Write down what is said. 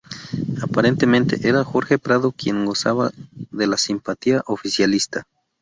Aparentemente, era Jorge Prado quien gozaba de la simpatía oficialista.